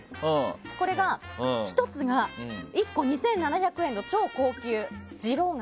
これが、１つが１個２７００円の超高級次郎柿。